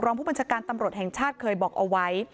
ผู้บัญชาการตำรวจแห่งชาติเคยบอกเอาไว้